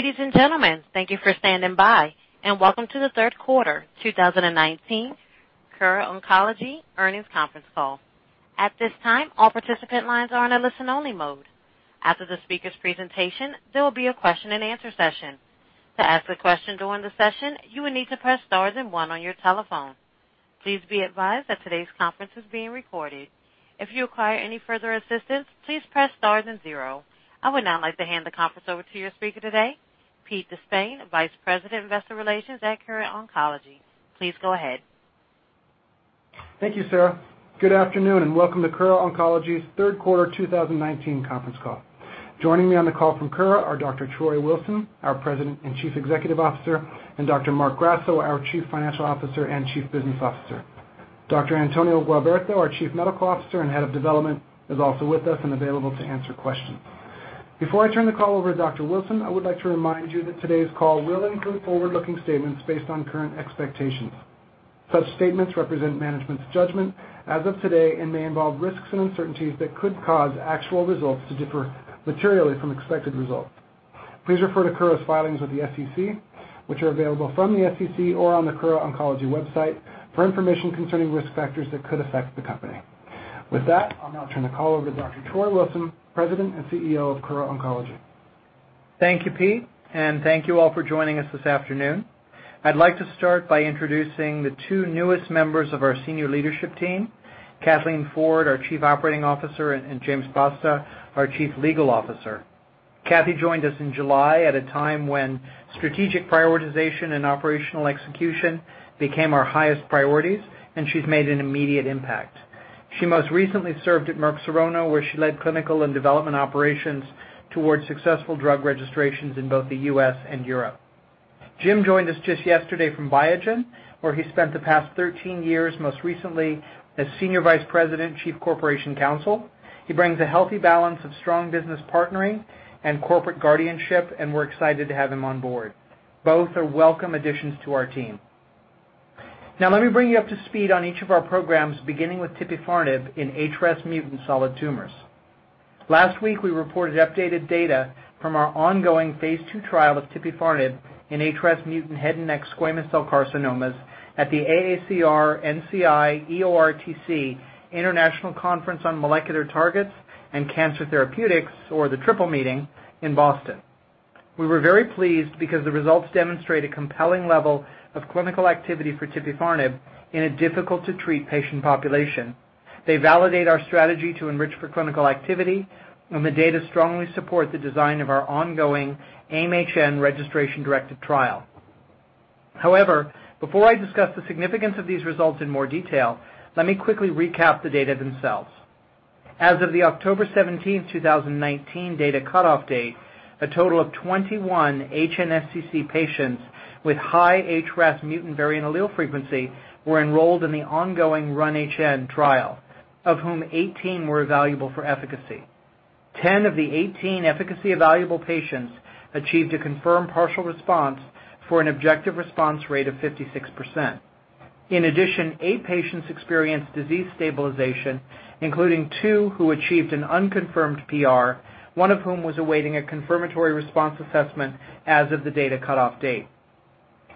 Ladies and gentlemen, thank you for standing by and welcome to the third quarter 2019 Kura Oncology earnings conference call. At this time, all participant lines are in a listen only mode. After the speaker's presentation, there will be a question and answer session. To ask a question during the session, you will need to press star then one on your telephone. Please be advised that today's conference is being recorded. If you require any further assistance, please press star then zero. I would now like to hand the conference over to your speaker today, Pete De Spain, Vice President Investor Relations at Kura Oncology. Please go ahead. Thank you, Sarah. Good afternoon, and welcome to Kura Oncology's third quarter 2019 conference call. Joining me on the call from Kura are Dr. Troy Wilson, our President and Chief Executive Officer, and Dr. Marc Grasso, our Chief Financial Officer and Chief Business Officer. Dr. Antonio Gualberto, our Chief Medical Officer and Head of Development, is also with us and available to answer questions. Before I turn the call over to Dr. Wilson, I would like to remind you that today's call will include forward-looking statements based on current expectations. Such statements represent management's judgment as of today and may involve risks and uncertainties that could cause actual results to differ materially from expected results. Please refer to Kura's filings with the SEC, which are available from the SEC or on the Kura Oncology website for information concerning risk factors that could affect the company. With that, I'll now turn the call over to Dr. Troy Wilson, President and CEO of Kura Oncology. Thank you, Pete, and thank you all for joining us this afternoon. I'd like to start by introducing the two newest members of our senior leadership team, Kathleen Ford, our Chief Operating Officer, and James Dentzer, our Chief Legal Officer. Kathy joined us in July at a time when strategic prioritization and operational execution became our highest priorities, and she's made an immediate impact. She most recently served at Merck Serono, where she led clinical and development operations towards successful drug registrations in both the U.S. and Europe. Jim joined us just yesterday from Biogen, where he spent the past 13 years, most recently as Senior Vice President Chief Corporation Counsel. He brings a healthy balance of strong business partnering and corporate guardianship, we're excited to have him on board. Both are welcome additions to our team. Now let me bring you up to speed on each of our programs, beginning with tipifarnib in HRAS-mutant solid tumors. Last week, we reported updated data from our ongoing phase II trial of tipifarnib in HRAS-mutant head and neck squamous cell carcinomas at the AACR-NCI-EORTC International Conference on Molecular Targets and Cancer Therapeutics, or the triple meeting, in Boston. We were very pleased because the results demonstrate a compelling level of clinical activity for tipifarnib in a difficult-to-treat patient population. They validate our strategy to enrich for clinical activity, and the data strongly support the design of our ongoing AIM-HN registration directed trial. However, before I discuss the significance of these results in more detail, let me quickly recap the data themselves. As of the October 17th, 2019 data cutoff date, a total of 21 HNSCC patients with high HRAS mutant variant allele frequency were enrolled in the ongoing RUN-HN trial, of whom 18 were evaluable for efficacy. 10 of the 18 efficacy evaluable patients achieved a confirmed partial response for an objective response rate of 56%. In addition, eight patients experienced disease stabilization, including two who achieved an unconfirmed PR, one of whom was awaiting a confirmatory response assessment as of the data cutoff date.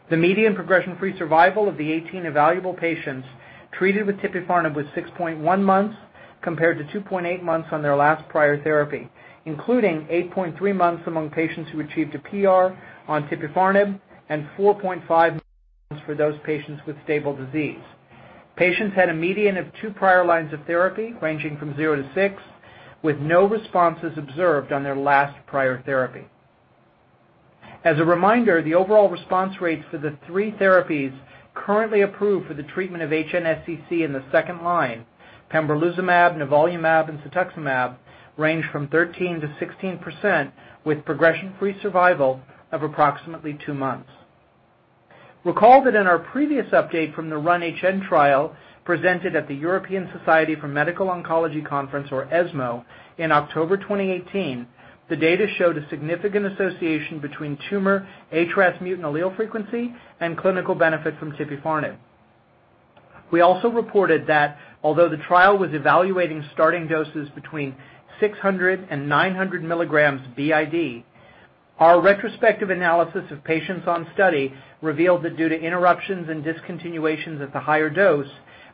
The median progression-free survival of the 18 evaluable patients treated with tipifarnib was 6.1 months, compared to 2.8 months on their last prior therapy, including 8.3 months among patients who achieved a PR on tipifarnib and 4.5 months for those patients with stable disease. Patients had a median of two prior lines of therapy ranging from zero-six, with no responses observed on their last prior therapy. As a reminder, the overall response rates for the three therapies currently approved for the treatment of HNSCC in the second line, pembrolizumab, nivolumab, and cetuximab, range from 13%-16% with progression-free survival of approximately two months. Recall that in our previous update from the RUN-HN trial presented at the European Society for Medical Oncology conference, or ESMO, in October 2018, the data showed a significant association between tumor HRAS mutant allele frequency and clinical benefit from tipifarnib. We also reported that although the trial was evaluating starting doses between 600 and 900 milligrams BID, our retrospective analysis of patients on study revealed that due to interruptions and discontinuations at the higher dose,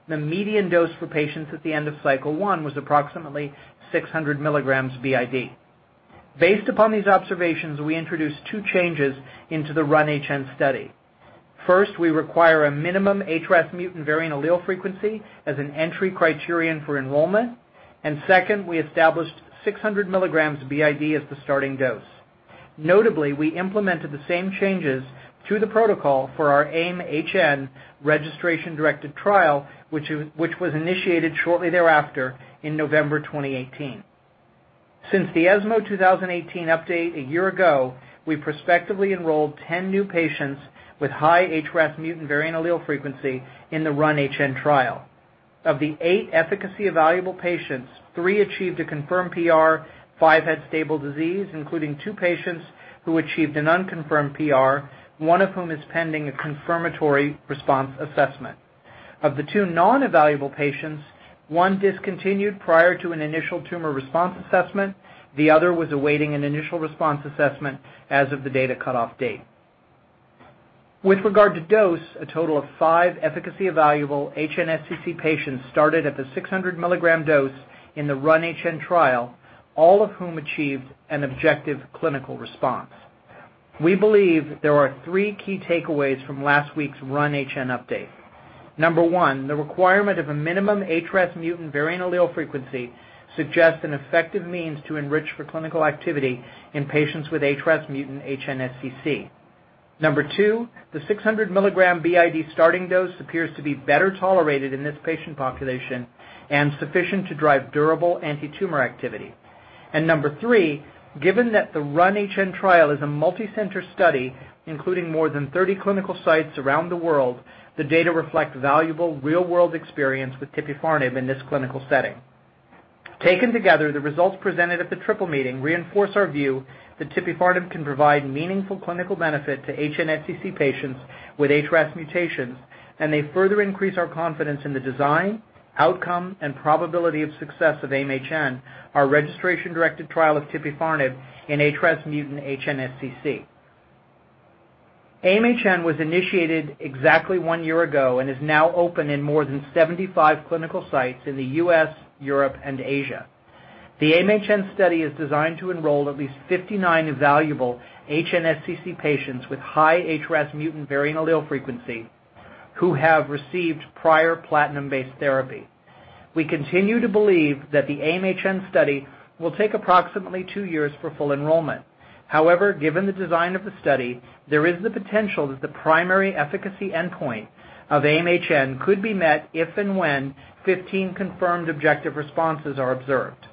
the median dose for patients at the end of cycle one was approximately 600 milligrams BID. Based upon these observations, we introduced two changes into the RUN-HN study. First, we require a minimum HRAS mutant variant allele frequency as an entry criterion for enrollment, and second, we established 600 milligrams BID as the starting dose. Notably, we implemented the same changes to the protocol for our AIM-HN registration-directed trial, which was initiated shortly thereafter in November 2018. Since the ESMO 2018 update a year ago, we prospectively enrolled 10 new patients with high HRAS mutant variant allele frequency in the RUN-HN trial. Of the eight efficacy evaluable patients, three achieved a confirmed PR, five had stable disease, including two patients who achieved an unconfirmed PR, one of whom is pending a confirmatory response assessment. Of the two non-evaluable patients, one discontinued prior to an initial tumor response assessment, the other was awaiting an initial response assessment as of the data cutoff date. With regard to dose, a total of five efficacy evaluable HNSCC patients started at the 600 mg dose in the RUN-HN trial, all of whom achieved an objective clinical response. We believe there are three key takeaways from last week's RUN-HN update. Number one, the requirement of a minimum HRAS mutant variant allele frequency suggests an effective means to enrich for clinical activity in patients with HRAS mutant HNSCC. Number two, the 600 mg BID starting dose appears to be better tolerated in this patient population and sufficient to drive durable anti-tumor activity. Number three, given that the RUN-HN trial is a multi-center study including more than 30 clinical sites around the world, the data reflect valuable real-world experience with tipifarnib in this clinical setting. Taken together, the results presented at the Triple Meeting reinforce our view that tipifarnib can provide meaningful clinical benefit to HNSCC patients with HRAS mutations, and they further increase our confidence in the design, outcome, and probability of success of AIM-HN, our registration-directed trial of tipifarnib in HRAS-mutant HNSCC. AIM-HN was initiated exactly one year ago and is now open in more than 75 clinical sites in the U.S., Europe, and Asia. The AIM-HN study is designed to enroll at least 59 evaluable HNSCC patients with high HRAS mutant variant allele frequency who have received prior platinum-based therapy. We continue to believe that the AIM-HN study will take approximately two years for full enrollment. Given the design of the study, there is the potential that the primary efficacy endpoint of AIM-HN could be met if and when 15 confirmed objective responses are observed.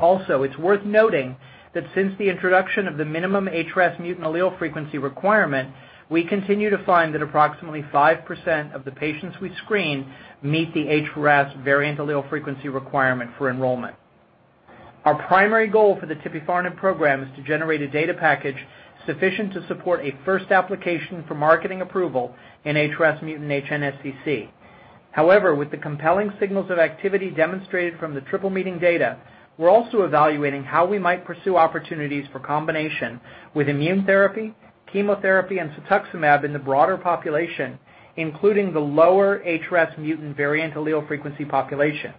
It's worth noting that since the introduction of the minimum HRAS mutant allele frequency requirement, we continue to find that approximately 5% of the patients we screen meet the HRAS variant allele frequency requirement for enrollment. Our primary goal for the tipifarnib program is to generate a data package sufficient to support a first application for marketing approval in HRAS mutant HNSCC. With the compelling signals of activity demonstrated from the Menin MLL data, we're also evaluating how we might pursue opportunities for combination with immune therapy, chemotherapy, and cetuximab in the broader population, including the lower HRAS mutant variant allele frequency population.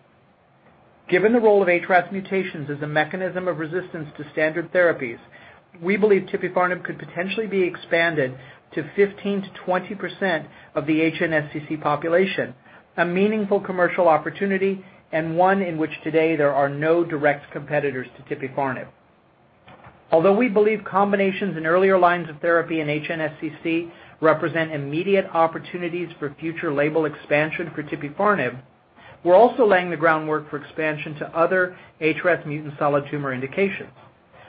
Given the role of HRAS mutations as a mechanism of resistance to standard therapies, we believe tipifarnib could potentially be expanded to 15%-20% of the HNSCC population, a meaningful commercial opportunity and one in which today there are no direct competitors to tipifarnib. Although we believe combinations in earlier lines of therapy in HNSCC represent immediate opportunities for future label expansion for tipifarnib, we're also laying the groundwork for expansion to other HRAS mutant solid tumor indications.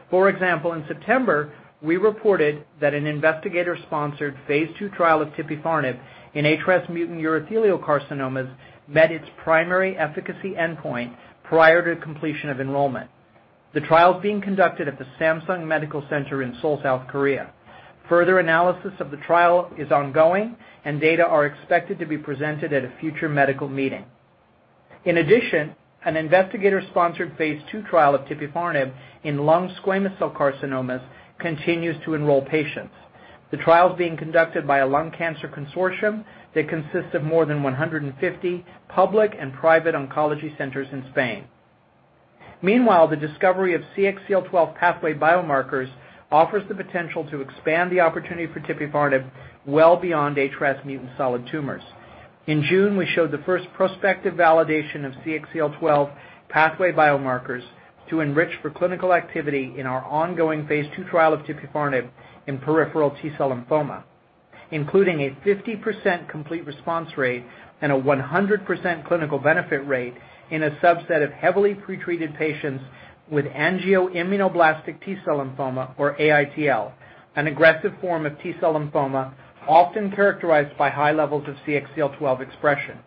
For example, in September, we reported that an investigator-sponsored phase II trial of tipifarnib in HRAS mutant urothelial carcinomas met its primary efficacy endpoint prior to completion of enrollment. The trial is being conducted at the Samsung Medical Center in Seoul, South Korea. Further analysis of the trial is ongoing, and data are expected to be presented at a future medical meeting. In addition, an investigator-sponsored phase II trial of tipifarnib in lung squamous cell carcinomas continues to enroll patients. The trial is being conducted by a lung cancer consortium that consists of more than 150 public and private oncology centers in Spain. Meanwhile, the discovery of CXCL12 pathway biomarkers offers the potential to expand the opportunity for tipifarnib well beyond HRAS mutant solid tumors. In June, we showed the first prospective validation of CXCL12 pathway biomarkers to enrich for clinical activity in our ongoing phase II trial of tipifarnib in peripheral T-cell lymphoma, including a 50% complete response rate and a 100% clinical benefit rate in a subset of heavily pretreated patients with angioimmunoblastic T-cell lymphoma or AITL, an aggressive form of T-cell lymphoma often characterized by high levels of CXCL12 expression.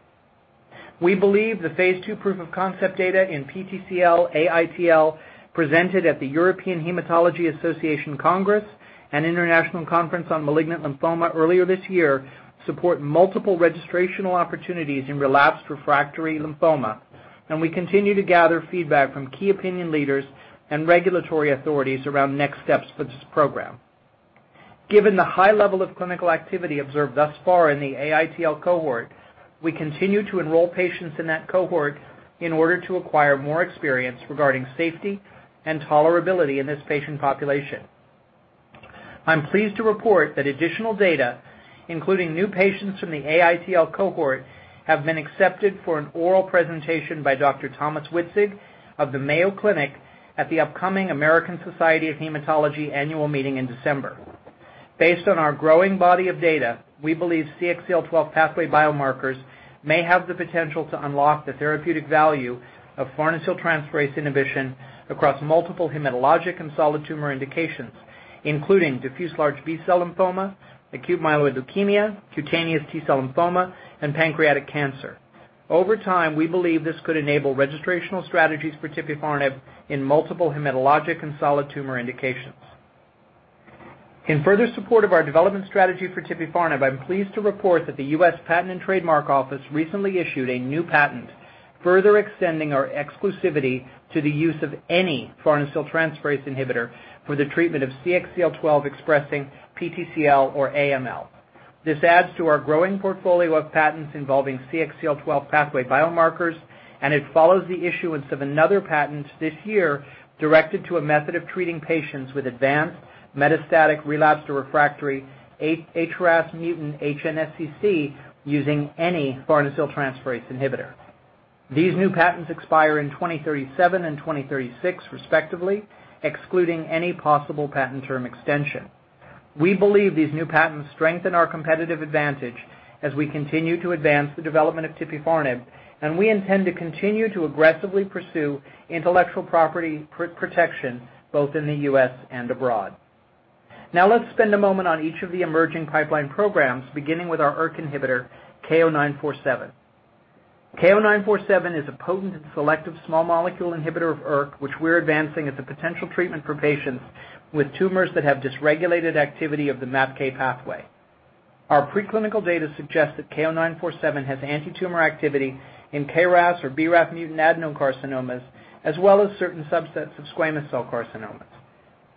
We believe the phase II proof of concept data in PTCL-AITL presented at the European Hematology Association Congress and International Conference on Malignant Lymphoma earlier this year support multiple registrational opportunities in relapsed refractory lymphoma, and we continue to gather feedback from key opinion leaders and regulatory authorities around next steps for this program. Given the high level of clinical activity observed thus far in the AITL cohort, we continue to enroll patients in that cohort in order to acquire more experience regarding safety and tolerability in this patient population. I'm pleased to report that additional data, including new patients from the AITL cohort, have been accepted for an oral presentation by Dr. Thomas Witzig of the Mayo Clinic at the upcoming American Society of Hematology annual meeting in December. Based on our growing body of data, we believe CXCL12 pathway biomarkers may have the potential to unlock the therapeutic value of farnesyltransferase inhibition across multiple hematologic and solid tumor indications, including diffuse large B-cell lymphoma, acute myeloid leukemia, cutaneous T-cell lymphoma, and pancreatic cancer. Over time, we believe this could enable registrational strategies for tipifarnib in multiple hematologic and solid tumor indications. In further support of our development strategy for tipifarnib, I'm pleased to report that the U.S. Patent and Trademark Office recently issued a new patent, further extending our exclusivity to the use of any farnesyltransferase inhibitor for the treatment of CXCL12-expressing PTCL or AML. This adds to our growing portfolio of patents involving CXCL12 pathway biomarkers. It follows the issuance of another patent this year directed to a method of treating patients with advanced metastatic relapsed or refractory HRAS mutant HNSCC using any farnesyltransferase inhibitor. These new patents expire in 2037 and 2036 respectively, excluding any possible patent term extension. We believe these new patents strengthen our competitive advantage as we continue to advance the development of tipifarnib, and we intend to continue to aggressively pursue intellectual property protection both in the U.S. and abroad. Let's spend a moment on each of the emerging pipeline programs, beginning with our ERK inhibitor, KO-947. KO-947 is a potent and selective small molecule inhibitor of ERK, which we're advancing as a potential treatment for patients with tumors that have dysregulated activity of the MAPK pathway. Our preclinical data suggest that KO-947 has anti-tumor activity in KRAS or BRAF mutant adenocarcinomas, as well as certain subsets of squamous cell carcinomas.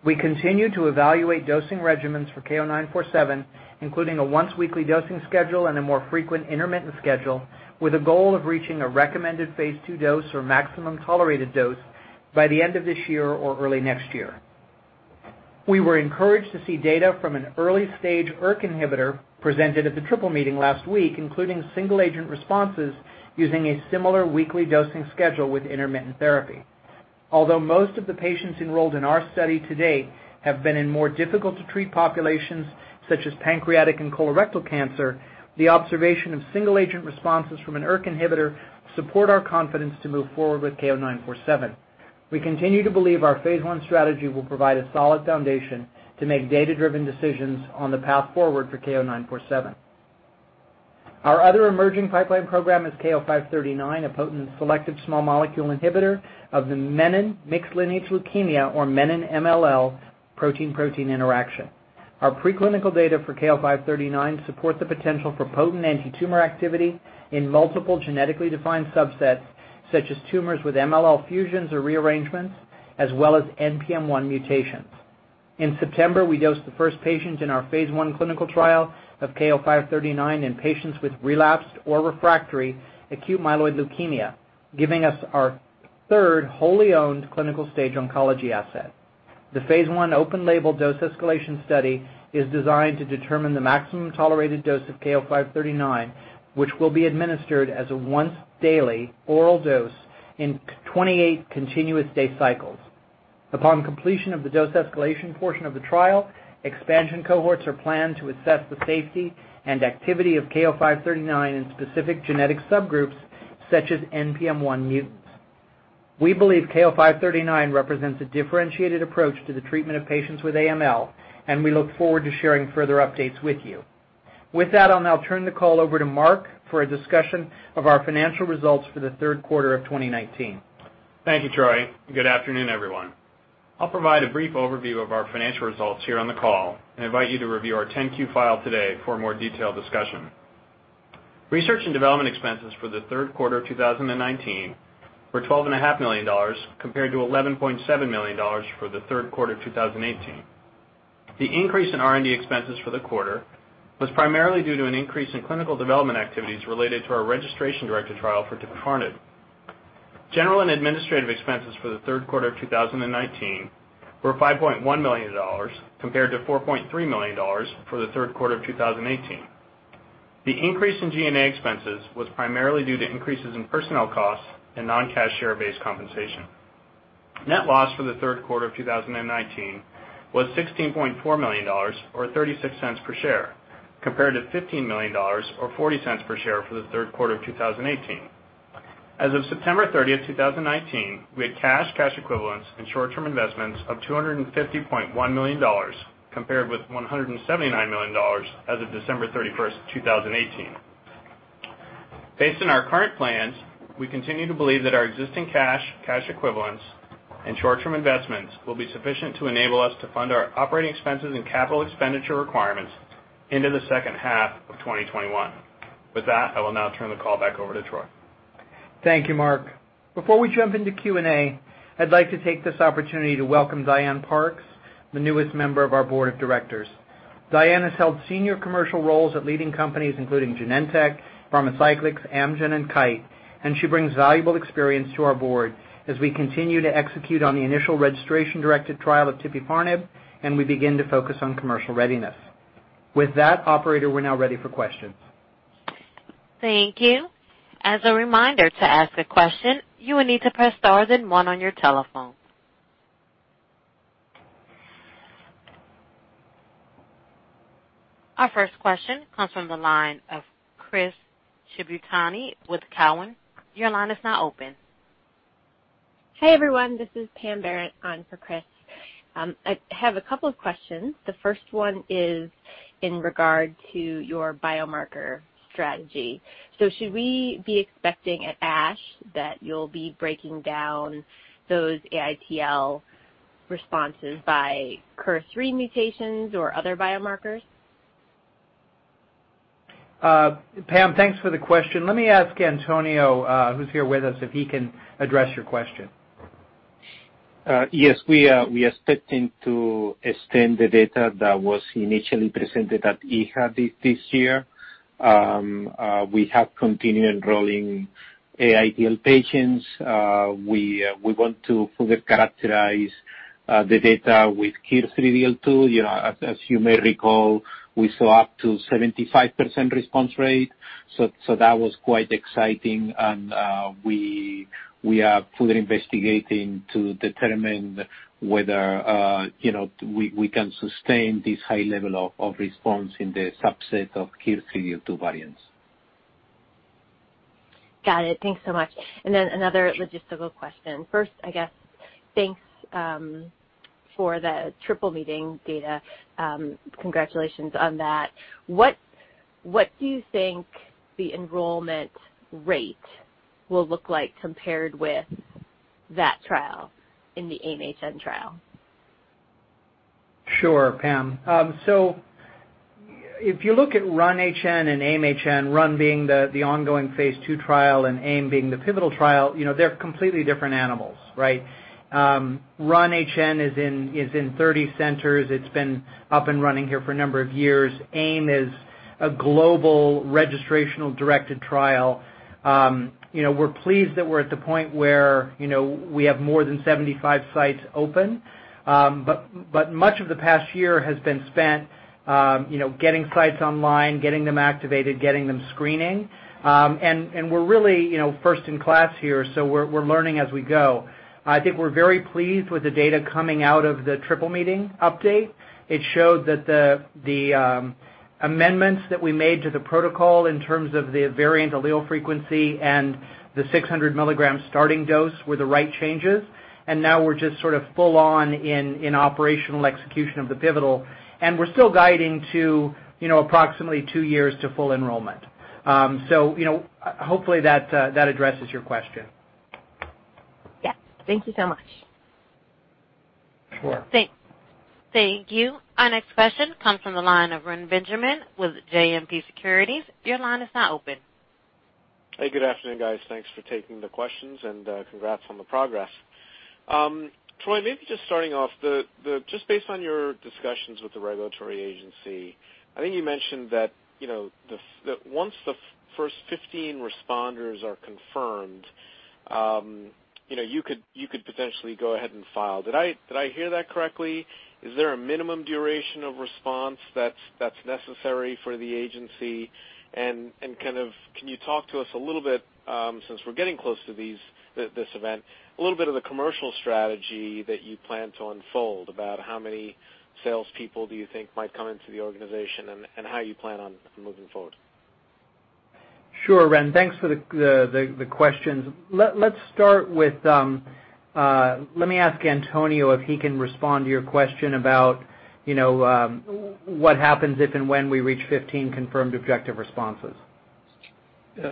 We continue to evaluate dosing regimens for KO-947, including a once-weekly dosing schedule and a more frequent intermittent schedule with a goal of reaching a recommended phase II dose or maximum tolerated dose by the end of this year or early next year. We were encouraged to see data from an early-stage ERK inhibitor presented at the Triple Meeting last week, including single-agent responses using a similar weekly dosing schedule with intermittent therapy. Although most of the patients enrolled in our study to date have been in more difficult-to-treat populations such as pancreatic and colorectal cancer, the observation of single-agent responses from an ERK inhibitor support our confidence to move forward with KO-947. We continue to believe our phase I strategy will provide a solid foundation to make data-driven decisions on the path forward for KO-947. Our other emerging pipeline program is KO-539, a potent selective small molecule inhibitor of the Menin mixed lineage leukemia, or Menin MLL, protein-protein interaction. Our preclinical data for KO-539 support the potential for potent anti-tumor activity in multiple genetically defined subsets, such as tumors with MLL fusions or rearrangements, as well as NPM1 mutations. In September, we dosed the first patient in our Phase I clinical trial of KO-539 in patients with relapsed or refractory acute myeloid leukemia, giving us our third wholly owned clinical-stage oncology asset. The Phase I open-label dose escalation study is designed to determine the maximum tolerated dose of KO-539, which will be administered as a once-daily oral dose in 28 continuous day cycles. Upon completion of the dose escalation portion of the trial, expansion cohorts are planned to assess the safety and activity of KO-539 in specific genetic subgroups, such as NPM1 mutants. We believe KO-539 represents a differentiated approach to the treatment of patients with AML, and we look forward to sharing further updates with you. With that, I'll now turn the call over to Marc for a discussion of our financial results for the third quarter of 2019. Thank you, Troy. Good afternoon, everyone. I'll provide a brief overview of our financial results here on the call and invite you to review our 10-Q file today for a more detailed discussion. Research and development expenses for the third quarter of 2019 were $12.5 million compared to $11.7 million for the third quarter of 2018. The increase in R&D expenses for the quarter was primarily due to an increase in clinical development activities related to our registration-directed trial for tipifarnib. General and administrative expenses for the third quarter of 2019 were $5.1 million, compared to $4.3 million for the third quarter of 2018. The increase in G&A expenses was primarily due to increases in personnel costs and non-cash share-based compensation. Net loss for the third quarter of 2019 was $16.4 million, or $0.36 per share, compared to $15 million or $0.40 per share for the third quarter of 2018. As of September 30th, 2019, we had cash equivalents, and short-term investments of $250.1 million, compared with $179 million as of December 31st, 2018. Based on our current plans, we continue to believe that our existing cash equivalents, and short-term investments will be sufficient to enable us to fund our operating expenses and capital expenditure requirements into the second half of 2021. With that, I will now turn the call back over to Troy. Thank you, Marc. Before we jump into Q&A, I'd like to take this opportunity to welcome Diane Parks, the newest member of our board of directors. Diane has held senior commercial roles at leading companies including Genentech, Pharmacyclics, Amgen, and Kite, and she brings valuable experience to our board as we continue to execute on the initial registration-directed trial of tipifarnib and we begin to focus on commercial readiness. With that, operator, we're now ready for questions. Thank you. As a reminder, to ask a question, you will need to press star then one on your telephone. Our first question comes from the line of Chris Shibutani with Cowen. Your line is now open. Hey, everyone. This is Pam Barrett on for Chris. I have a couple of questions. The first one is in regard to your biomarker strategy. Should we be expecting at ASH that you'll be breaking down those AITL responses by KRAS3 mutations or other biomarkers? Pam, thanks for the question. Let me ask Antonio, who's here with us, if he can address your question. Yes, we are expecting to extend the data that was initially presented at EHA this year. We have continued enrolling AITL patients. We want to further characterize the data with KRAS3 L2. As you may recall, we saw up to 75% response rate. That was quite exciting, and we are fully investigating to determine whether we can sustain this high level of response in the subset of KRAS3 L2 variants. Got it. Thanks so much. Another logistical question. First, I guess, thanks for the triple meeting data. Congratulations on that. What do you think the enrollment rate will look like compared with that trial in the AIM-HN trial? Sure, Pam. If you look at RUN-HN and AIM-HN, RUN being the ongoing phase II trial and AIM being the pivotal trial, they're completely different animals, right? RUN-HN is in 30 centers. It's been up and running here for a number of years. AIM is a global registrational directed trial. We're pleased that we're at the point where we have more than 75 sites open. Much of the past year has been spent getting sites online, getting them activated, getting them screening. We're really first in class here, so we're learning as we go. I think we're very pleased with the data coming out of the triple meeting update. It showed that the amendments that we made to the protocol in terms of the variant allele frequency and the 600 milligram starting dose were the right changes. Now we're just sort of full on in operational execution of the pivotal, and we're still guiding to approximately two years to full enrollment. Hopefully that addresses your question. Yes. Thank you so much. Sure. Thank you. Our next question comes from the line of Reni Benjamin with JMP Securities. Your line is now open. Hey, good afternoon, guys. Thanks for taking the questions. Congrats on the progress. Troy, maybe just starting off, just based on your discussions with the regulatory agency, I think you mentioned that once the first 15 responders are confirmed, you could potentially go ahead and file. Did I hear that correctly? Is there a minimum duration of response that's necessary for the agency? Can you talk to us a little bit, since we're getting close to this event, a little bit of the commercial strategy that you plan to unfold about how many salespeople do you think might come into the organization and how you plan on moving forward? Sure, Ren. Thanks for the questions. Let me ask Antonio if he can respond to your question about what happens if and when we reach 15 confirmed objective responses.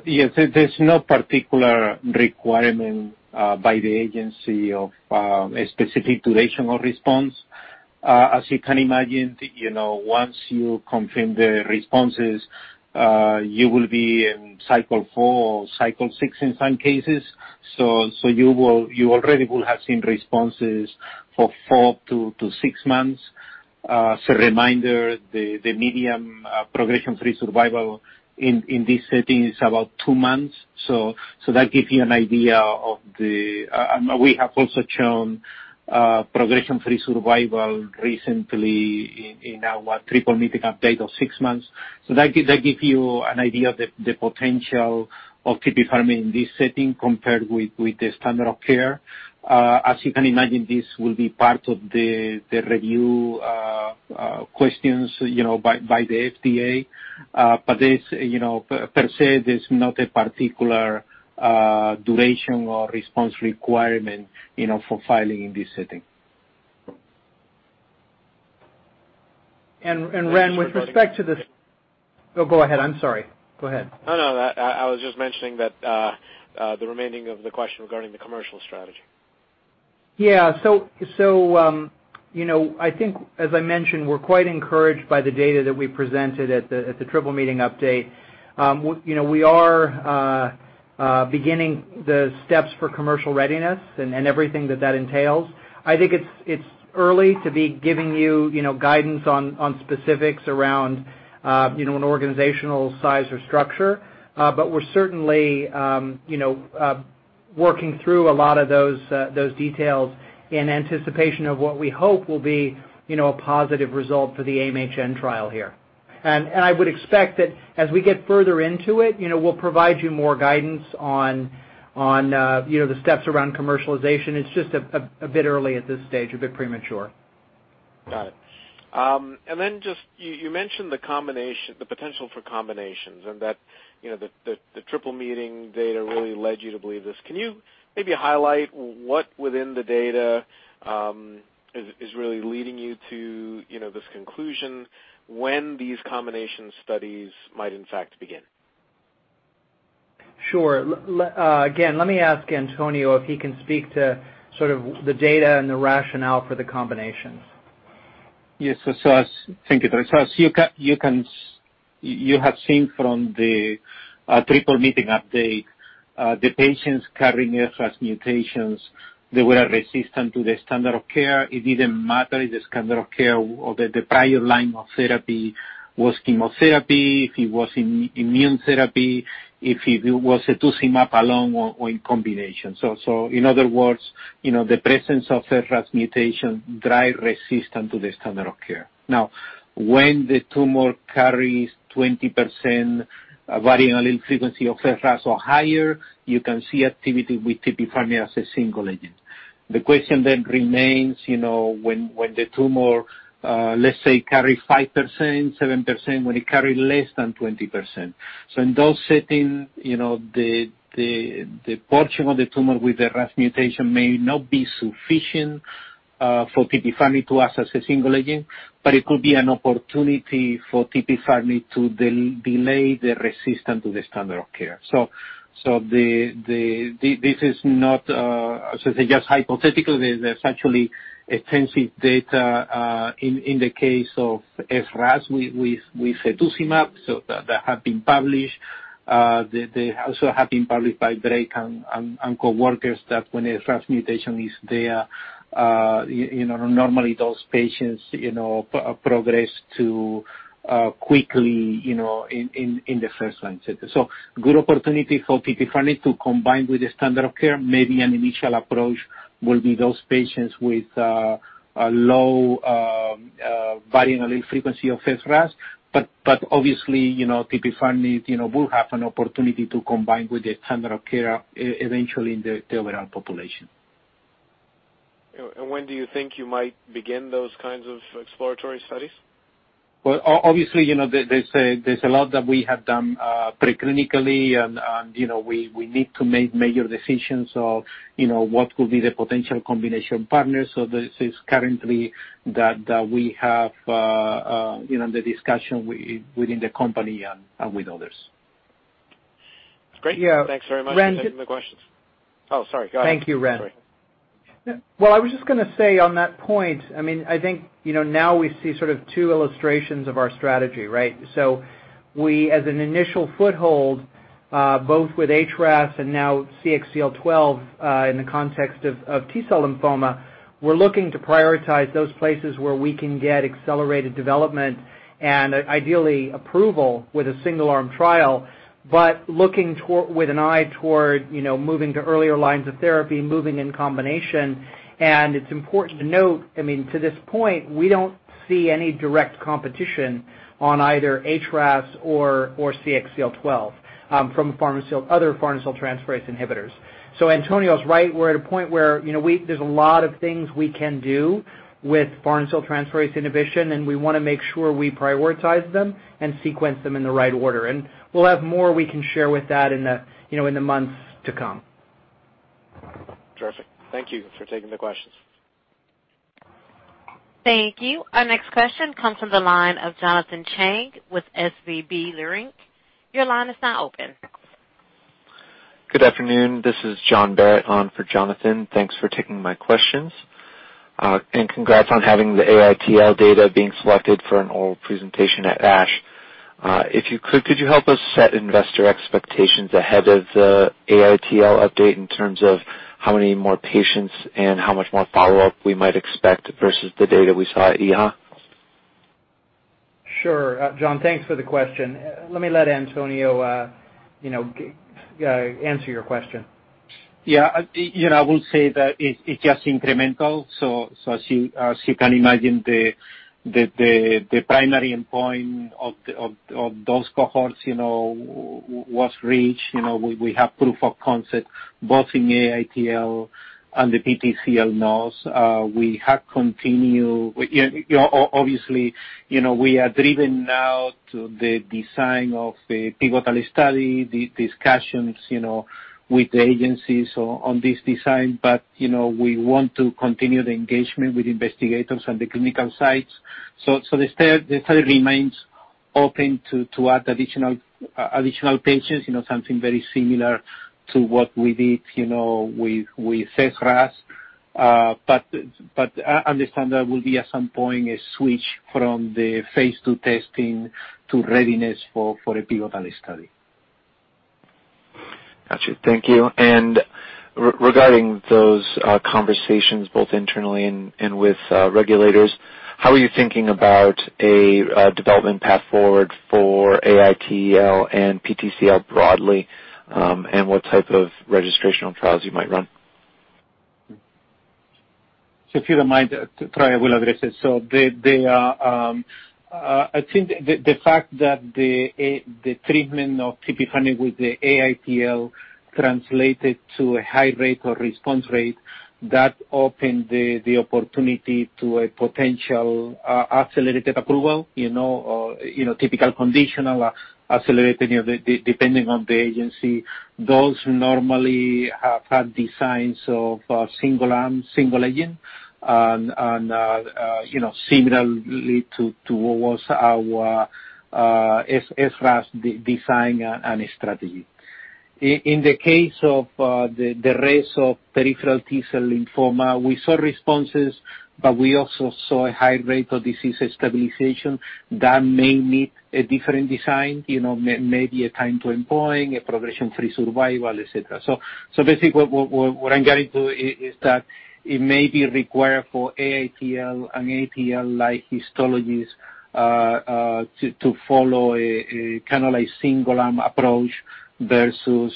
Yes. There's no particular requirement by the agency of a specific duration of response. As you can imagine, once you confirm the responses, you will be in Cycle 4 or Cycle 6 in some cases. You already will have seen responses for four to six months. Reminder, the median progression-free survival in this setting is about two months. That gives you an idea. We have also shown progression-free survival recently in our triple meeting update of six months. That gives you an idea of the potential of tipifarnib in this setting compared with the standard of care. As you can imagine, this will be part of the review questions by the FDA. Per se, there's not a particular duration or response requirement for filing in this setting. Ren, Oh, go ahead. I'm sorry. Go ahead. No, I was just mentioning that the remaining of the question regarding the commercial strategy. Yeah. I think as I mentioned, we're quite encouraged by the data that we presented at the triple meeting update. We are beginning the steps for commercial readiness and everything that that entails. I think it's early to be giving you guidance on specifics around an organizational size or structure. We're certainly working through a lot of those details in anticipation of what we hope will be a positive result for the AIM-HN trial here. I would expect that as we get further into it, we'll provide you more guidance on the steps around commercialization. It's just a bit early at this stage, a bit premature. Got it. Just, you mentioned the potential for combinations and that the triple meeting data really led you to believe this. Can you maybe highlight what within the data is really leading you to this conclusion when these combination studies might in fact begin? Sure. Again, let me ask Antonio if he can speak to the data and the rationale for the combinations. Yes. Thank you, Brad. As you have seen from the triple meeting update, the patients carrying HRAS mutations were resistant to the standard of care. It didn't matter if the standard of care or the prior line of therapy was chemotherapy, if it was immune therapy, or if it was cetuximab alone or in combination. In other words, the presence of HRAS mutation drive resistance to the standard of care. When the tumor carries 20% variable frequency of HRAS or higher, you can see activity with tipifarnib as a single agent. The question then remains, when the tumor, let's say, carries 5%-7%, when does it carry less than 20%? In those settings, the portion of the tumor with the RAS mutation may not be sufficient for tipifarnib to us as a single agent, but it could be an opportunity for tipifarnib to delay the resistance to the standard of care. This is not just hypothetical. There's actually extensive data in the case of HRAS with cetuximab, so that have been published. They also have been published by Braak and coworkers that when a HRAS mutation is there, normally those patients progress too quickly in the first line setting. Good opportunity for tipifarnib to combine with the standard of care. Maybe an initial approach will be those patients with a low variable frequency of HRAS, but obviously, tipifarnib will have an opportunity to combine with the standard of care eventually in the overall population. When do you think you might begin those kinds of exploratory studies? Well, obviously, there's a lot that we have done pre-clinically and we need to make major decisions of what could be the potential combination partners. This is currently that we have the discussion within the company and with others. Great. Thanks very much. Yeah, Ren. Thanks for the questions. Oh, sorry. Go ahead. Thank you, Ren. Well, I was just going to say on that point, I think now we see sort of two illustrations of our strategy, right? We, as an initial foothold, both with HRAS and now CXCL12, in the context of T-cell lymphoma, we're looking to prioritize those places where we can get accelerated development and ideally approval with a single-arm trial. Looking with an eye toward moving to earlier lines of therapy, moving in combination, and it's important to note, to this point, we don't see any direct competition on either HRAS or CXCL12 from other farnesyltransferase inhibitors. Antonio's right. We're at a point where there's a lot of things we can do with farnesyltransferase inhibition, and we want to make sure we prioritize them and sequence them in the right order, and we'll have more we can share with that in the months to come. Terrific. Thank you for taking the questions. Thank you. Our next question comes from the line of Jonathan Chang with SVB Leerink. Your line is now open. Good afternoon. This is John Barrett on for Jonathan. Thanks for taking my questions. Congrats on having the AITL data being selected for an oral presentation at ASH. If you could you help us set investor expectations ahead of the AITL update in terms of how many more patients and how much more follow-up we might expect versus the data we saw at EHA? Sure. John, thanks for the question. Let me let Antonio answer your question. Yeah. I would say that it's just incremental. As you can imagine, the primary endpoint of those cohorts was reached. We have proof of concept both in AITL and the PTCL, NOS. Obviously, we are driven now to the design of the pivotal study, the discussions with the agencies on this design. We want to continue the engagement with investigators and the clinical sites. The study remains open to add additional patients, something very similar to what we did with HRAS. Understand there will be, at some point, a switch from the phase II testing to readiness for a pivotal study. Got you. Thank you. Regarding those conversations, both internally and with regulators, how are you thinking about a development path forward for AITL and PTCL broadly, and what type of registrational trials you might run? If you don't mind, Troy will address it. I think the fact that the treatment of tipifarnib with the AITL translated to a high rate or response rate, that opened the opportunity to a potential accelerated approval, or typical conditional accelerated, depending on the agency. Those normally have had designs of single arm, single agent. Similarly towards our HRAS design and strategy. In the case of the rest of peripheral T-cell lymphoma, we saw responses, but we also saw a high rate of disease stabilization that may need a different design, maybe a time to employing, a progression-free survival, et cetera. Basically, what I'm getting to is that it may be required for AITL and AITL-like histologies to follow a single arm approach versus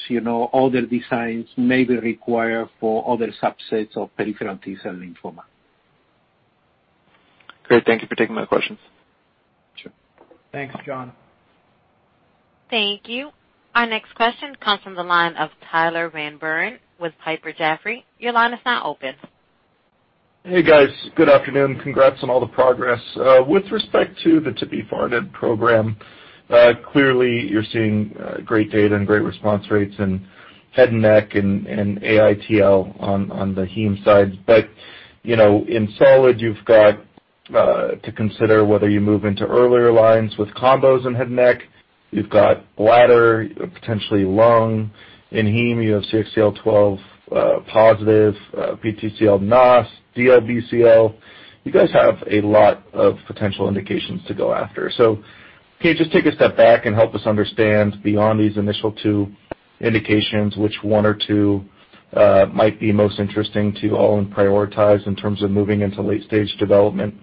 other designs may be required for other subsets of peripheral T-cell lymphoma. Great. Thank you for taking those questions. Sure. Thanks, John. Thank you. Our next question comes from the line of Tyler Van Buren with Piper Jaffray. Your line is now open. Hey, guys. Good afternoon. Congrats on all the progress. With respect to the tipifarnib program, clearly you're seeing great data and great response rates in head and neck and AITL on the heme side. In solid, you've got to consider whether you move into earlier lines with combos in head and neck. You've got bladder, potentially lung. In heme, you have CXCL12-positive PTCL NOS, DLBCL. You guys have a lot of potential indications to go after. Can you just take a step back and help us understand, beyond these initial two indications, which one or two might be most interesting to you all and prioritize in terms of moving into late-stage development?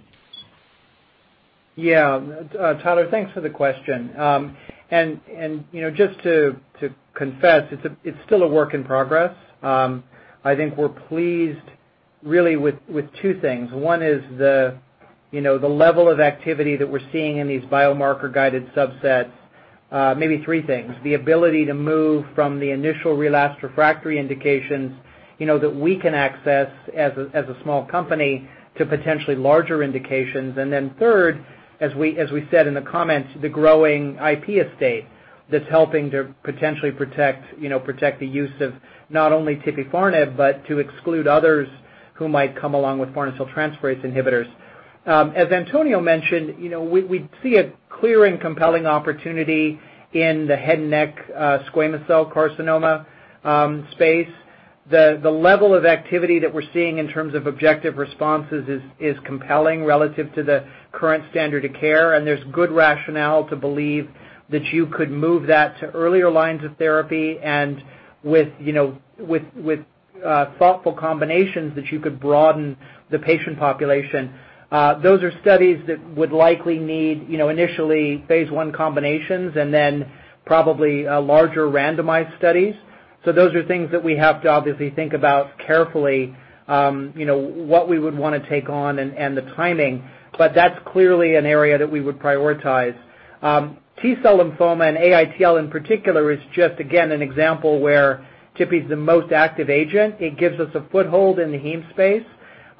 Yeah. Tyler, thanks for the question. Just to confess, it's still a work in progress. I think we're pleased really with two things. One is the level of activity that we're seeing in these biomarker-guided subsets. Maybe three things. The ability to move from the initial relapsed/refractory indications that we can access as a small company to potentially larger indications. Third, as we said in the comments, the growing IP estate that's helping to potentially protect the use of not only tipifarnib, but to exclude others who might come along with farnesyltransferase inhibitors. As Antonio mentioned, we see a clear and compelling opportunity in the head and neck squamous cell carcinoma space. The level of activity that we're seeing in terms of objective responses is compelling relative to the current standard of care, and there's good rationale to believe that you could move that to earlier lines of therapy, and with thoughtful combinations, that you could broaden the patient population. Those are studies that would likely need, initially, phase I combinations, and then probably larger randomized studies. Those are things that we have to obviously think about carefully, what we would want to take on and the timing. That's clearly an area that we would prioritize. T-cell lymphoma and AITL in particular is just, again, examples where tipi the most active agent. It gives us a foothold in the heme space,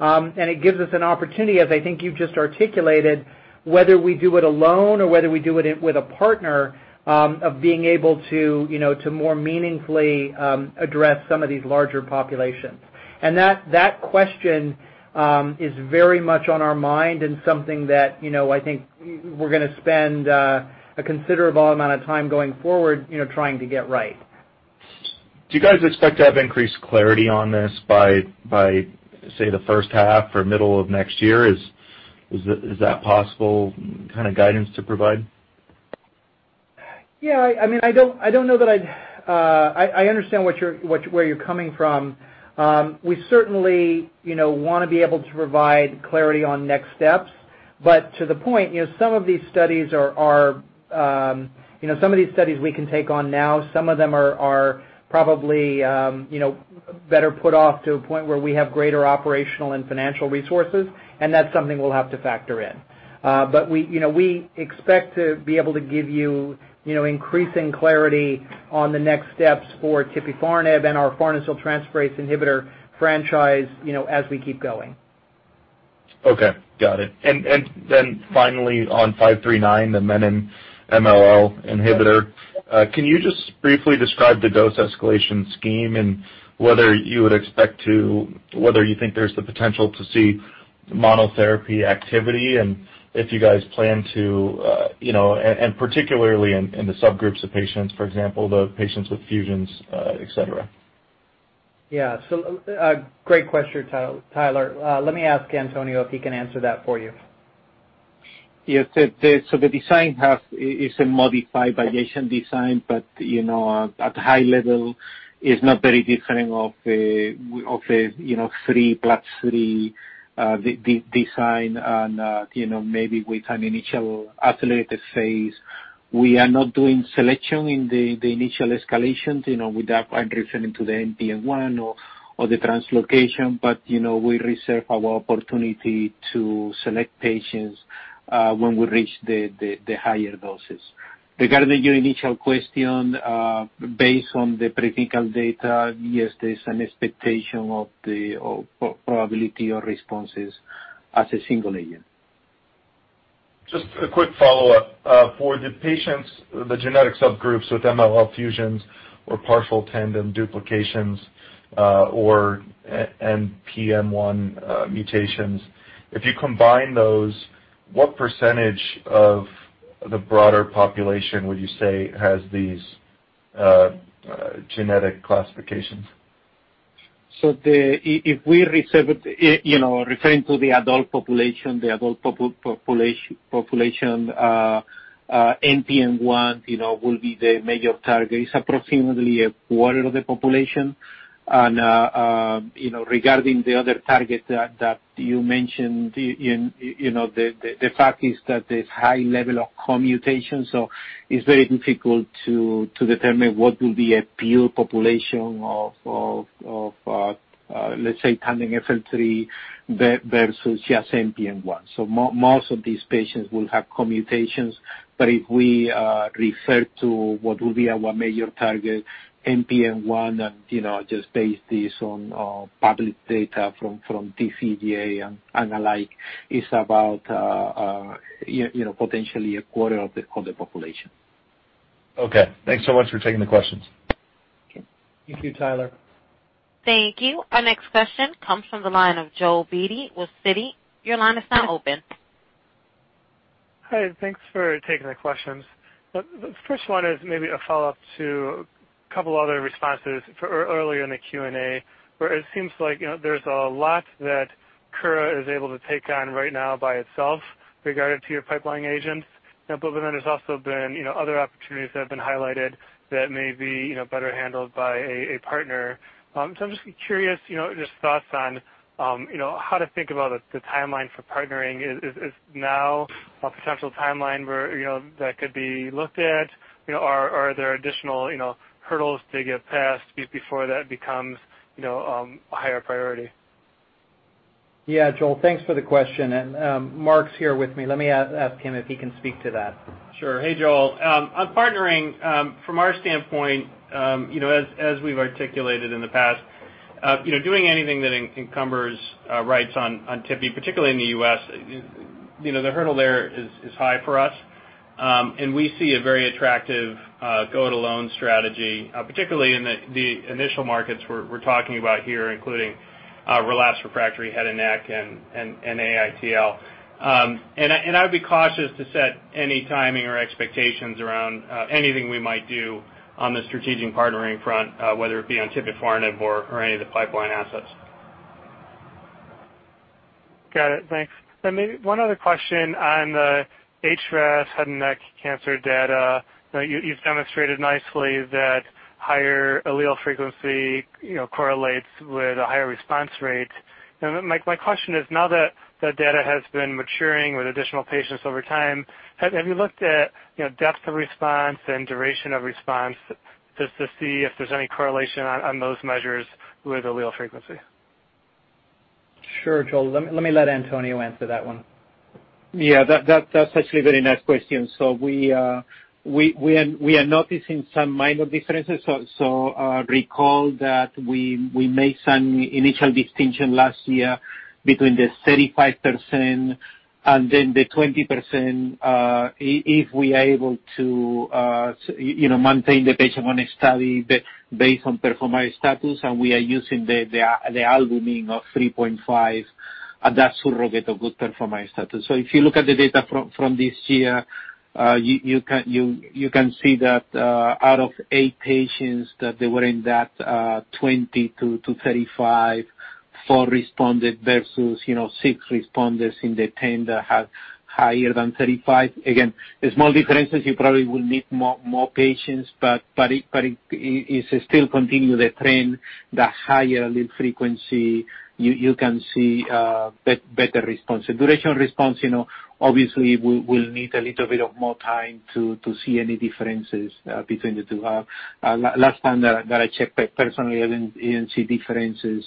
and it gives us an opportunity, as I think you've just articulated, whether we do it alone or whether we do it with a partner, of being able to more meaningfully address some of these larger populations. That question is very much on our mind and something that I think we're going to spend a considerable amount of time going forward trying to get right. Do you guys expect to have increased clarity on this by, say, the first half or middle of next year? Is that kind of guidance to provide? Yeah. I understand where you're coming from. We certainly want to be able to provide clarity on next steps, but to the point, some of these studies we can take on now. Some of them are probably better put off to a point where we have greater operational and financial resources, and that's something we'll have to factor in. We expect to be able to give you increasing clarity on the next steps for tipifarnib and our farnesyltransferase inhibitor franchise as we keep going. Okay, got it. Finally, on KO-539, the Menin MLL inhibitor, can you just briefly describe the dose escalation scheme and whether you think there's the potential to see monotherapy activity and if you guys plan to, and particularly in the subgroups of patients, for example, the patients with fusions, et cetera? Yeah. Great question, Tyler. Let me ask Antonio if he can answer that for you. Yes. The design is a modified variation design, but at a high level it is not very different from a three plus three design and maybe with an initial accelerated phase. We are not doing selection in the initial escalations; with that, I'm referring to the NPM1 or the translocation. We reserve our opportunity to select patients when we reach the higher doses. Regarding your initial question, based on the preclinical data, yes, there's an expectation of the probability of responses as a single agent. Just a quick follow-up. For the patients, the genetic subgroups with MLL fusions or partial tandem duplications or NPM1 mutations, if you combine those, what percentage of the broader population would you say has these genetic classifications? If we're referring to the adult population, NPM1 will be the major target. It's approximately a quarter of the population. Regarding the other target that you mentioned, the fact is that there's a high level of co-mutations, so it's very difficult to determine what will be a pure population of, let's say, tandem FLT3 versus just NPM1. Most of these patients will have co-mutations, but if we refer to what will be our major target, NPM1, and just base this on public data from TCGA and the like, it's about potentially a quarter of the total population. Okay. Thanks so much for taking the questions. Okay. Thank you, Tyler. Thank you. Our next question comes from the line of Joel Beatty with Citi. Your line is now open. Hi, thanks for taking the questions. The first one is maybe a follow-up to a couple other responses earlier in the Q&A, where it seems like there's a lot that Kura is able to take on right now by itself regarding to your pipelining agents. There's also been other opportunities that have been highlighted that may be better handled by a partner. I'm just curious, just thoughts on how to think about the timeline for partnering. Is now a potential timeline where that could be looked at? Are there additional hurdles to get past before that becomes a higher priority? Yeah. Joel, thanks for the question. Marc's here with me. Let me ask him if he can speak to that. Sure. Hey, Joel. On partnering, from our standpoint, as we've articulated in the past, doing anything that encumbers rights on tipi, particularly in the U.S., the hurdle there is high for us. We see a very attractive go-it-alone strategy, particularly in the initial markets we're talking about here, including relapsed/refractory head and neck and AITL. I would be cautious to set any timing or expectations around anything we might do on the strategic partnering front, whether it be on tipifarnib or any of the pipeline assets. Got it. Thanks. Maybe one other question on the HRAS head and neck cancer data. You've demonstrated nicely that higher allele frequency correlates with a higher response rate. Now, my question is, now that that data has been maturing with additional patients over time, have you looked at depth of response and duration of response just to see if there's any correlation on those measures with allele frequency? Sure, Joel. Let me let Antonio answer that one. Yeah. That's actually a very nice question. We are noticing some minor differences. Recall that we made some initial distinction last year between the 35% and then the 20%, if we are able to maintain the patient on a study based on performance status, and we are using the albumin of 3.5, and that's surrogate of good performance status. If you look at the data from this year, you can see that out of eight patients that they were in that 20-35, four responded versus six responders in the 10 that have higher than 35. Again, small differences, you probably will need more patients, but it still continue the trend, the higher allele frequency you can see better response. The duration response, obviously we'll need a little bit of more time to see any differences between the two. Last time that I checked personally, I didn't see differences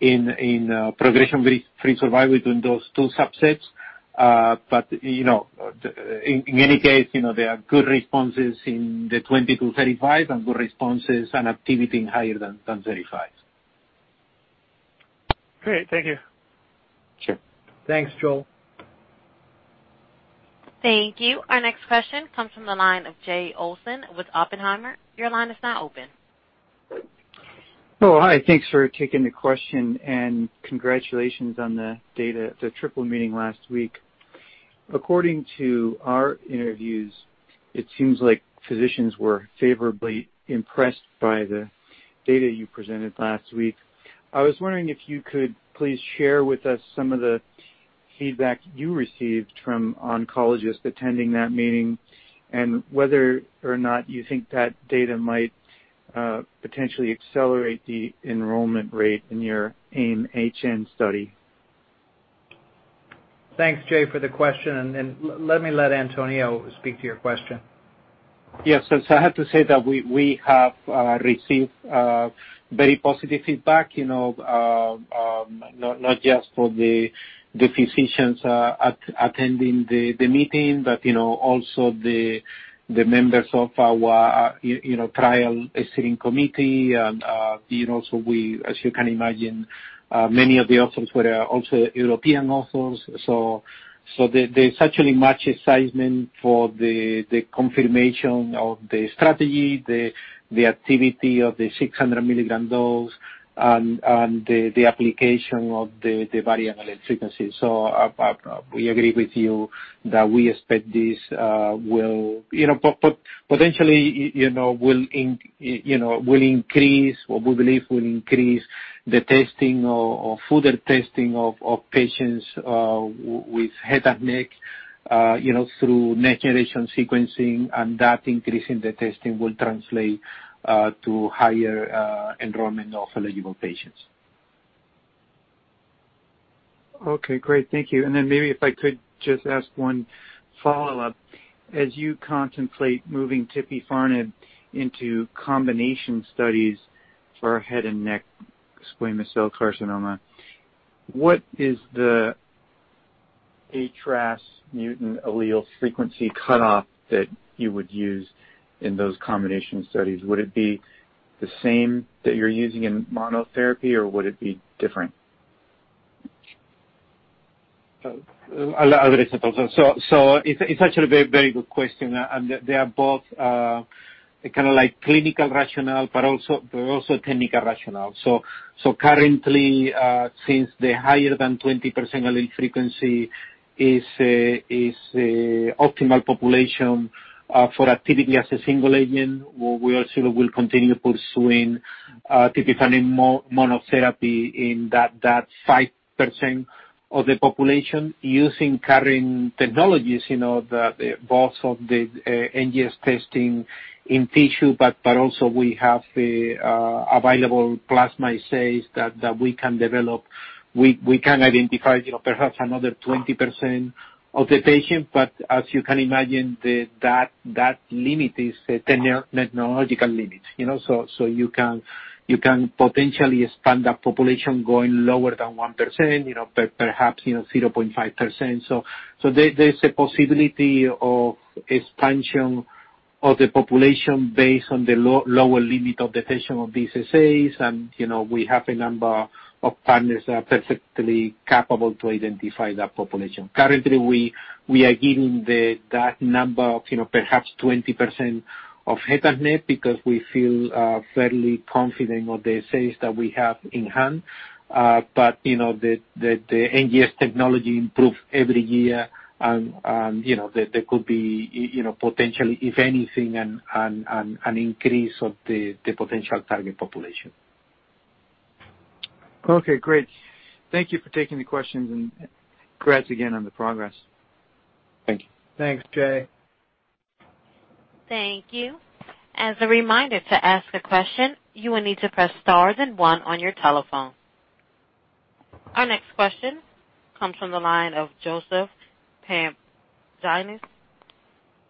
in progression-free survival between those two subsets. In any case, there are good responses in the 20-35 and good responses and activity in higher than 35. Great. Thank you. Sure. Thanks, Joel. Thank you. Our next question comes from the line of Jay Olson with Oppenheimer. Your line is now open. Oh, hi. Thanks for taking the question, and congratulations on the data at the triple meeting last week. According to our interviews, it seems like physicians were favorably impressed by the data you presented last week. I was wondering if you could please share with us some of the feedback you received from oncologists attending that meeting, and whether or not you think that data might potentially accelerate the enrollment rate in your AIM-HN study. Thanks, Jay, for the question, and let me let Antonio speak to your question. Yes. I have to say that we have received very positive feedback, not just from the physicians attending the meeting, but also the members of our trial sitting committee. As you can imagine, many of the authors were also European authors. There's actually much excitement for the confirmation of the strategy, the activity of the 600 milligram dose, and the application of the variable frequency. We agree with you that we expect this will potentially increase, or we believe will increase, the testing or further testing of patients with head and neck through next-generation sequencing, and that increase in the testing will translate to higher enrollment of eligible patients. Okay, great. Thank you. Maybe if I could just ask one follow-up. As you contemplate moving tipifarnib into combination studies for head and neck squamous cell carcinoma, what is the HRAS mutant allele frequency cutoff that you would use in those combination studies? Would it be the same that you're using in monotherapy, or would it be different? I'll address it also. It's actually a very good question, and they are both clinical rationale, but also technical rationale. Currently, since the higher than 20% allele frequency is optimal population for activity as a single agent, we also will continue pursuing tipifarnib monotherapy in that 5% of the population using current technologies, both of the NGS testing in tissue, but also we have available plasma assays that we can develop. We can identify perhaps another 20% of the patient. As you can imagine, that limit is a technological limit. You can potentially expand that population going lower than 1%, perhaps 0.5%. There's a possibility of expansion of the population based on the lower limit of detection of these assays, and we have a number of partners that are perfectly capable to identify that population. Currently, we are giving that number of perhaps 20% of head and neck because we feel fairly confident of the assays that we have in hand. The NGS technology improves every year and there could be potentially, if anything, an increase of the potential target population. Okay, great. Thank you for taking the questions, and congrats again on the progress. Thank you. Thanks, Jay. Thank you. As a reminder, to ask a question, you will need to press star then one on your telephone. Our next question comes from the line of Joseph Pantginis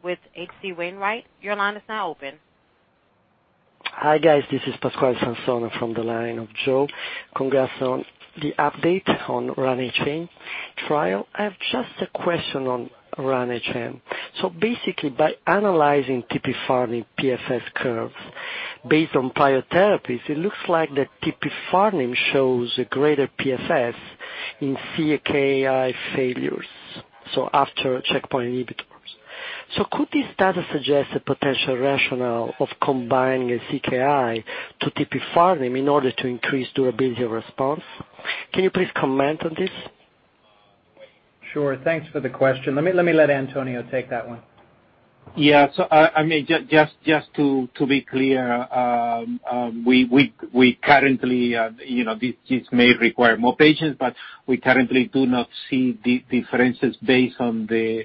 with H.C. Wainwright. Your line is now open. Hi, guys. This is Pasquale Sansone from the line of Joe. Congrats on the update on RUN-HN trial. I have just a question on RUN-HN. Basically, by analyzing tipifarnib PFS curves based on prior therapies, it looks like the tipifarnib shows a greater PFS in CPI failures. After checkpoint inhibitors. Could this data suggest a potential rationale of combining a CPI to tipifarnib in order to increase durability of response? Can you please comment on this? Sure. Thanks for the question. Let me let Antonio take that one. Just to be clear, this may require more patients, but we currently do not see differences based on the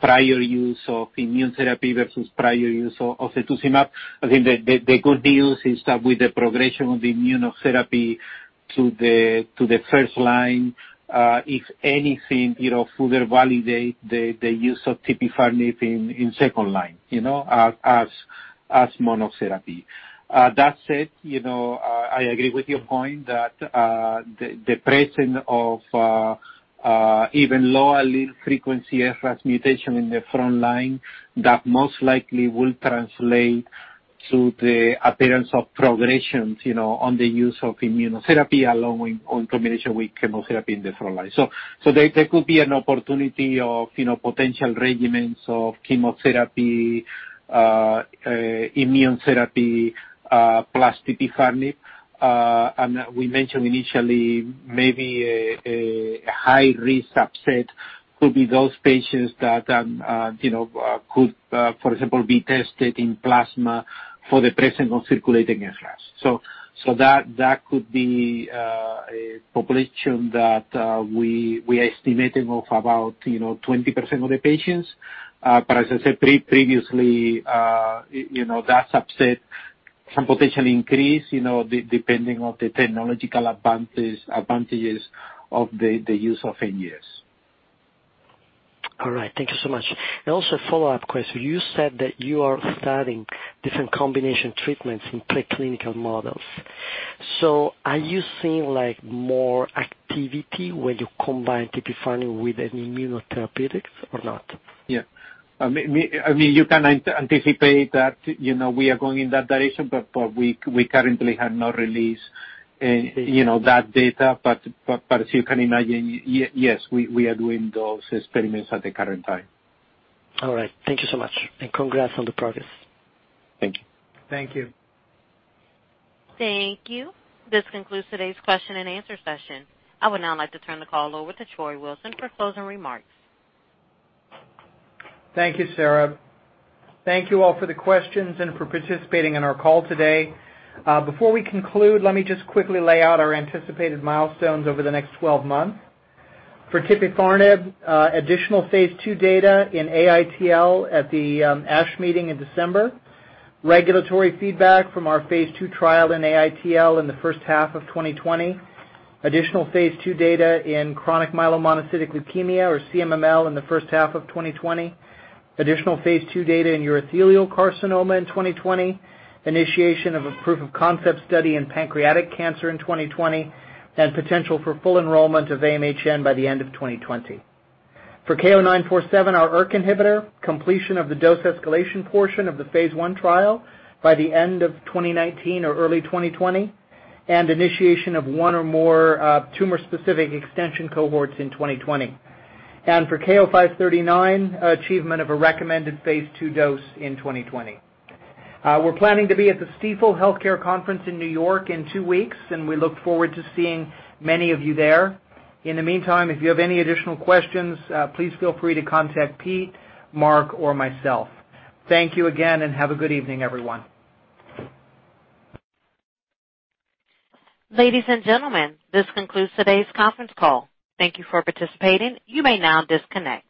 prior use of immunotherapy versus prior use of cetuximab. I think the good news is that with the progression of the immunotherapy to the first-line, if anything, further validate the use of tipifarnib in second-line as monotherapy. That said, I agree with your point that the presence of even lower allele frequency HRAS mutation in the front-line, that most likely will translate to the appearance of progressions on the use of immunotherapy along in combination with chemotherapy in the front-line. There could be an opportunity of potential regimens of chemotherapy, immunotherapy plus tipifarnib. We mentioned initially maybe a high-risk subset could be those patients that could, for example, be tested in plasma for the presence of circulating HRAS. That could be a population that we are estimating of about 20% of the patients. As I said previously, that subset can potentially increase depending on the technological advantages of the use of NGS. All right. Thank you so much. Also a follow-up question. You said that you are studying different combination treatments in preclinical models. Are you seeing more activity when you combine tipifarnib with an immunotherapeutics or not? Yeah. You can anticipate that we are going in that direction, but we currently have not released that data. As you can imagine, yes, we are doing those experiments at the current time. All right. Thank you so much and congrats on the progress. Thank you. Thank you. Thank you. This concludes today's question and answer session. I would now like to turn the call over to Troy Wilson for closing remarks. Thank you, Sarah. Thank you all for the questions and for participating in our call today. Before we conclude, let me just quickly lay out our anticipated milestones over the next 12 months. For tipifarnib, additional phase II data in AITL at the ASH meeting in December, regulatory feedback from our phase II trial in AITL in the first half of 2020, additional phase II data in chronic myelomonocytic leukemia or CMML in the first half of 2020, additional phase II data in urothelial carcinoma in 2020, initiation of a proof of concept study in pancreatic cancer in 2020, and potential for full enrollment of AIM-HN by the end of 2020. For KO-947, our ERK inhibitor, completion of the dose escalation portion of the phase I trial by the end of 2019 or early 2020, and initiation of one or more tumor-specific extension cohorts in 2020. For KO-539, achievement of a recommended phase II dose in 2020. We're planning to be at the Stifel Healthcare Conference in N.Y. in two weeks, and we look forward to seeing many of you there. In the meantime, if you have any additional questions, please feel free to contact Pete, Marc, or myself. Thank you again, and have a good evening, everyone. Ladies and gentlemen, this concludes today's conference call. Thank you for participating. You may now disconnect.